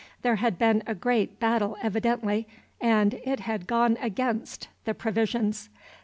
There had been a great battle evidently, and it had gone against the provisions.